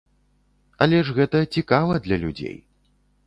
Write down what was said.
Але ж гэта цікава для людзей.